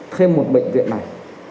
thêm một bệnh viện này